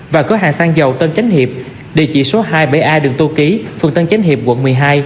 và cửa hàng xăng dầu tân chánh hiệp địa chỉ số hai mươi bảy a đường tô ký phường tân chánh hiệp quận một mươi hai